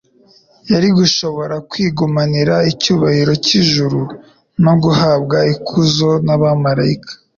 Yari gushobora kwigumanira icyubahiro cy'ijuru no guhabwa ikuzo n'abamalayika.